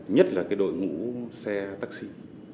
nhất là đội ngũ xe tác sĩ